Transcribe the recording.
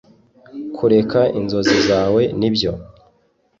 kureka inzozi zawe nibyo